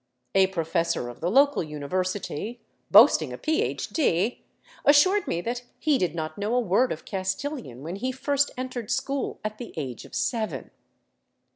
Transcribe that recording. A professor of the local university, boasting a Ph.D., assured me that he did not know a word of Castilian when he first entered school at the age of seven.